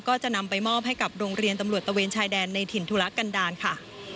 ก็จะนำไปมอบให้กับโรงเรียนตำรวจตะเวนชายแดนในถิ่นธุระกันดาลค่ะ